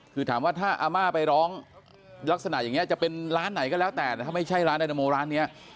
คือถามว่าถ้าอาม่าไปร้องลักษณะอย่างนี้จะเป็นร้านไหนก็แล้วแต่ถ้าไม่ใช่ร้านไดนาโมร้านนี้